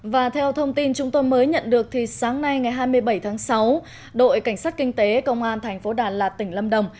và theo thông tin chúng tôi mới nhận được thì sáng nay ngày hai mươi bảy tháng sáu đội cảnh sát kinh tế công an thành phố đà lạt tỉnh lâm đồng